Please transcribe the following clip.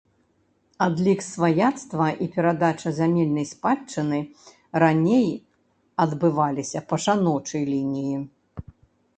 Адлік сваяцтва і перадача зямельнай спадчыны раней адбываліся па жаночай лініі.